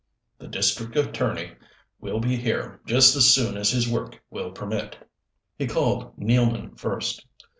The district attorney will be here just as soon as his work will permit." He called Nealman first.